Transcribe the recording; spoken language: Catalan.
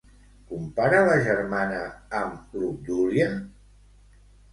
Compara la germana amb l'Obdúlia?